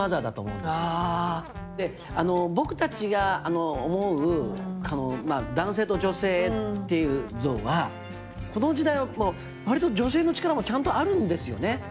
僕たちが思う男性と女性っていう像はこの時代は割と女性の力もちゃんとあるんですよね。